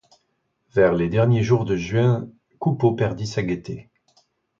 Vers les derniers jours de juin, Coupeau perdit sa gaieté.